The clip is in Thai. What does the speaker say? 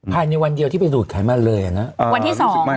ภายในวันเดียวที่ไปหลุดไขมันเลยอย่างนั้น